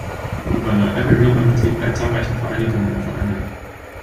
Gouverneur Avery war Mitglied bei zahlreichen Vereinigungen und Vereinen.